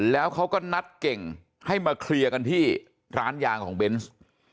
แล้วเขาก็นัดเก่งให้มาเคลียร์กันที่ร้านยางของเบนส์